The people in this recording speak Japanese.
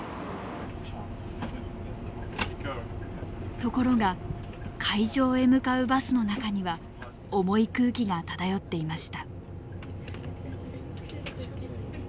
ところが会場へ向かうバスの中には重い空気が漂っていました。